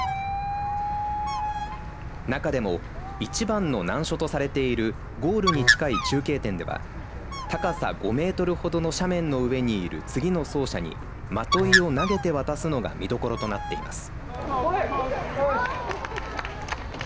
中でも一番の難所とされているゴールに近い中継点では高さ５メートルほどの斜面の上にいる次の走者にまといを投げて渡すのが見どころとなっています。